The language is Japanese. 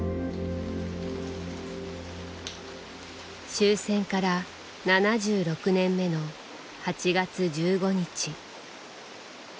終戦から７６年目の８月１５日。